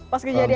pas kejadian itu